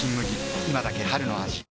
今だけ春の味